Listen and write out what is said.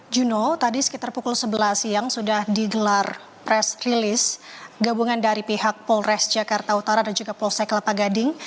juno tadi sekitar pukul sebelas siang sudah digelar press release gabungan dari pihak polres jakarta utara dan juga polsek kelapa gading